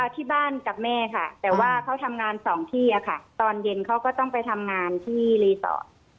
ที่บ้านกับแม่ค่ะแต่ว่าเขาทำงานสองที่อะค่ะตอนเย็นเขาก็ต้องไปทำงานที่รีสอร์ท